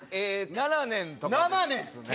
７年とかですね。